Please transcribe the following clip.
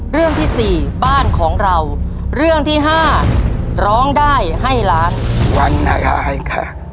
เรื่องที่สี่บ้านของเราเรื่องที่ห้าร้องได้ให้ล้านวันอะไรค่ะ